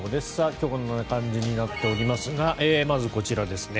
今日はこんな感じになっておりますがまず、こちらですね。